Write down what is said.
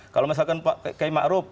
kalau misalkan pak kai ma'ruf